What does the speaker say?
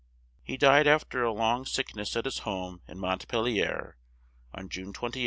He died af ter a long sick ness at his home in Mont pel ier on June 28th, 1836.